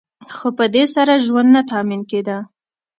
خو په دې سره ژوند نه تأمین کیده.